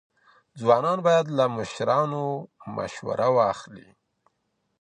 ځوانان باید له مشرانو مسوره واخلي.